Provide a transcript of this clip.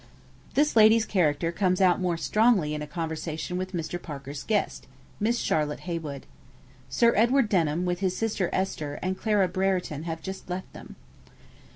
This lady's character comes out more strongly in a conversation with Mr. Parker's guest, Miss Charlotte Heywood. Sir Edward Denham with his sister Esther and Clara Brereton have just left them.